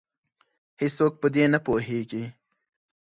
هیڅوک په دې نه پوهیږې